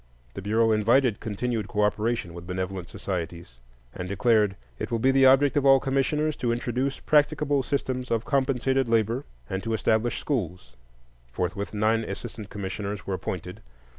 The Bureau invited continued cooperation with benevolent societies, and declared: "It will be the object of all commissioners to introduce practicable systems of compensated labor," and to establish schools. Forthwith nine assistant commissioners were appointed.